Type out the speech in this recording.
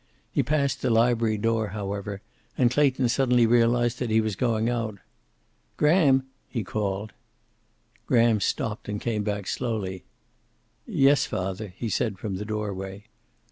He passed the library door, however, and Clayton suddenly realized that he was going out. "Graham!" he called. Graham stopped, and came back slowly. "Yes, father," he said, from the doorway.